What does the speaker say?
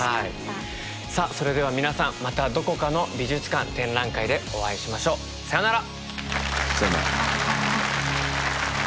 さあそれでは皆さんまたどこかの美術館展覧会でお会いしましょう。さようなら！